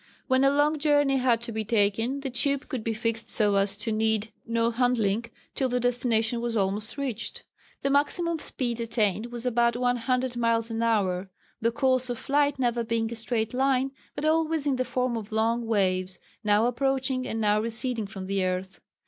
When a long journey had to be taken the tube could be fixed so as to need no handling till the destination was almost reached. The maximum speed attained was about one hundred miles an hour, the course of flight never being a straight line, but always in the form of long waves, now approaching and now receding from the earth.